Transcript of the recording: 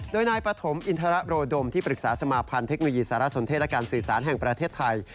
โดยนายปฐมอินทรโรดมที่ปรึกษาสมาพันธ์เทคโนโลยีสารสนเทศและการสื่อสารแห่งประเทศไทย